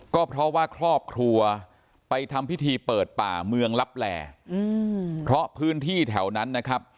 ก็เพราะว่าครอบครัวไปทำพิธีเปิดป่าเมืองลับแหล่เพราะพื้นที่แถวนั้นนะครับ